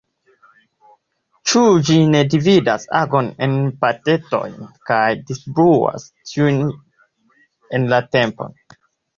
Ĉu ĝi ne dividas agon en partetojn kaj distribuas tiujn en la tempo?